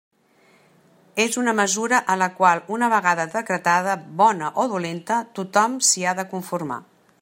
És una mesura a la qual, una vegada decretada, bona o dolenta, tothom s'hi ha de conformar.